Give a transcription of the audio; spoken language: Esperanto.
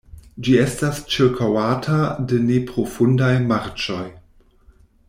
Ĝi estas ĉirkaŭata de neprofundaj marĉoj.